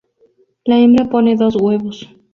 La hembra pone dos huevos.